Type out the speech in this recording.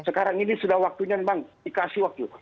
sekarang ini sudah waktunya memang dikasih waktu